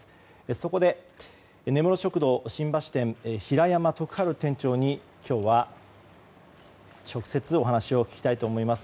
そこで、根室食堂新橋店平山徳治店長に今日は、直接お話を聞きたいと思います。